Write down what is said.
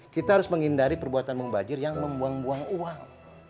kita harus menghindari perbuatan membajir yang membuang buang uang